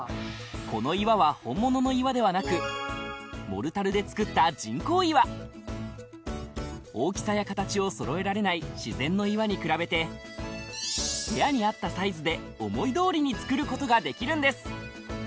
この岩は本物の岩ではなく大きさや形をそろえられない自然の岩に比べて部屋に合ったサイズで思い通りに作ることができるんです